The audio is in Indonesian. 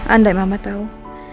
andai mama tahu